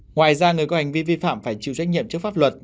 ngoài ra người có hành vi vi phạm phải chịu trách nhiệm trước pháp luật